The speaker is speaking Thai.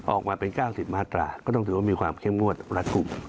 ออกมาเป็น๙๐มาตราก็ต้องถือว่ามีความเข้มงวดรัฐกลุ่ม